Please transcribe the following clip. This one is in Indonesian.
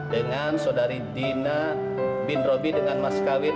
dengan saudari dina bin robi dengan mas kawit